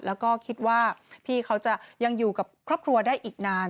แล้วก็คิดว่าพี่เขาจะยังอยู่กับครอบครัวได้อีกนาน